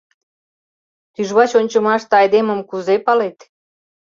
Тӱжвач ончымаште айдемым кузе палет?